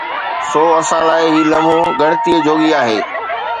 سو اسان لاءِ هي لمحو ڳڻتي جوڳي آهي.